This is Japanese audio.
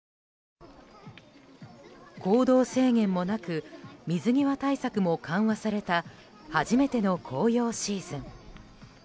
行動制限もなく水際対策も緩和された初めての紅葉シーズン。